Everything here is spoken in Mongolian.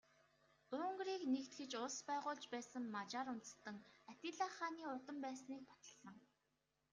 Унгарыг нэгтгэж улс байгуулж байсан Мажар үндэстэн Атилла хааны удам байсныг баталсан.